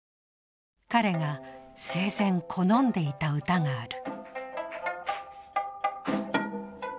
彼が生前好んでいた歌がある。